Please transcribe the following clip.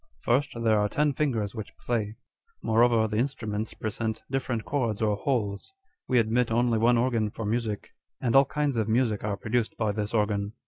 First, there arc ten fingers which play : moreover, the instruments present different chords or holes. We admit only one organ for music ; and all kinds of music are produced by this organ.